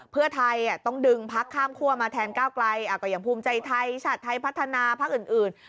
เพื่อไทยต้องดึงพักข้ามคั่วมาแทนก้าวไกลก็อย่างภูมิใจไทยชาติไทยพัฒนาพักอื่น